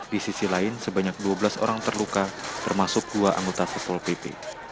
di sisi lain sebanyak dua belas orang terluka termasuk dua anggota satpol pp